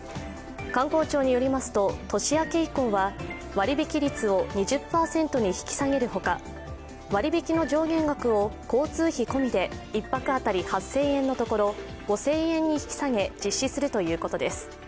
観光庁によりますと、年明け以降は割引率を２０％に引き下げるほか、割り引きの上限額を交通費込みで１泊当たり８０００円のところ５０００円に引き下げ、実施するということです。